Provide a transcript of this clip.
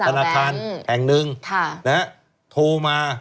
ธนาคารแห่งหนึ่งโทรมา